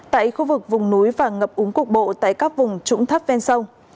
tại khu vực vùng núi và ngập úng cục bộ tại các vùng trũng thấp ven sông